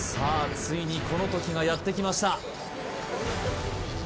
ついにこの時がやってきました